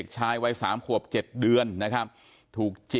โอ้โหโอ้โหโอ้โห